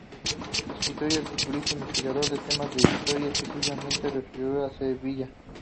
Escritor y articulista, investigador de temas de historia, especialmente referidos a Sevilla.